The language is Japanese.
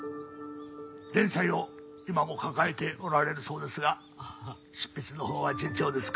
連載を今も抱えておられるそうですが執筆のほうは順調ですか？